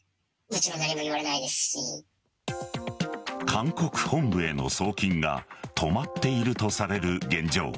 韓国本部への送金が止まっているとされる現状。